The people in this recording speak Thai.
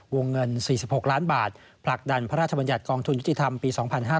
วงเงิน๔๖ล้านบาทผลักดันพระราชบัญญัติกองทุนยุติธรรมปี๒๕๕๙